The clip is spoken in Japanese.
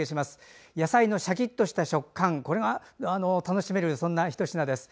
野菜のしゃきっとした食感が楽しめるそんなひと品です。